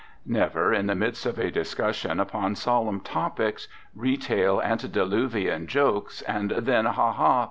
Never, in the midst of a discussion upon solemn topics, retail antediluvian jokes, and then ha, ha!